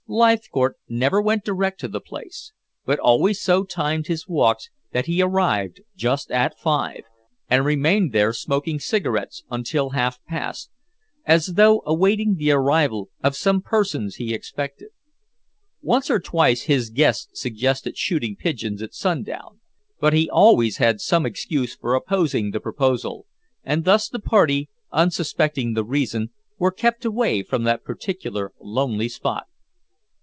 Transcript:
Leithcourt never went direct to the place, but always so timed his walks that he arrived just at five, and remained there smoking cigarettes until half past, as though awaiting the arrival of some person he expected. Once or twice his guests suggested shooting pigeons at sundown, but he always had some excuse for opposing the proposal, and thus the party, unsuspecting the reason, were kept away from that particular lonely spot.